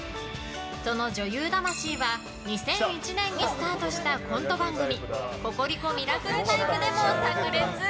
その女優魂は、２００１年にスタートしたコント番組「ココリコミラクルタイプ」でも炸裂。